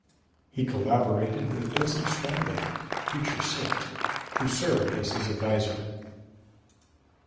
He collaborated with Vincent Strambi - future saint - who served as his advisor.